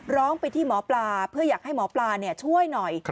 ร้องไปที่หมอปลาเพื่ออยากให้หมอปลาช่วยหน่อย